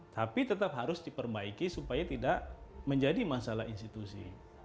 tapi tetap harus diperbaiki supaya tidak menjadi masalah institusi